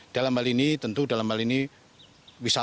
maka jika kami menggunakan skenario terburuk